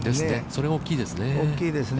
それが大きいですね。